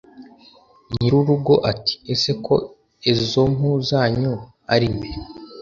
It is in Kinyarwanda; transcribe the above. nyir'urugo ati 'ese ko ezo mpu zanyu ari mbi